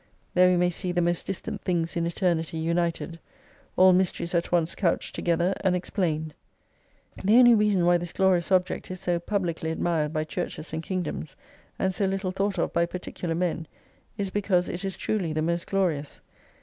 There we may see the most distant things in Eternity united : all mysteries at once couched together and explained. The only reason why this Glorious Object is so publicly admired by Churches and Kingdoms, and so little thought of by particular men, is because it is truly the most glorious.